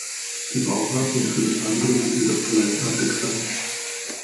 Die Bauart und vieles andere wird jedoch gleichartig sein.